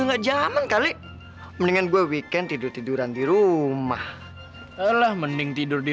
enggak zaman kali mendingan gue weekend tidur tiduran di rumah lah mending tidur di